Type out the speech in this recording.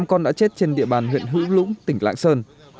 năm con đã chết trên địa bàn huyện hữu lũng tỉnh lạng sơn